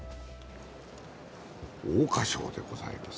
桜花賞でございます。